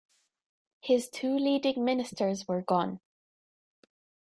His two leading ministers were gone.